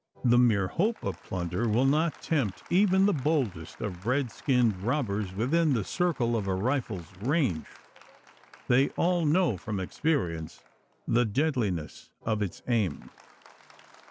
The mere hope of plunder will not tempt even the boldest of red skinned robbers within the circle of a rifle's range. They all know from experience the deadliness of its aim.